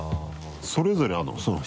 それぞれあるの？